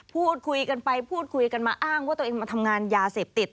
พูดคุยกันไปพูดคุยกันมาอ้างว่าตัวเองมาทำงานยาเสพติด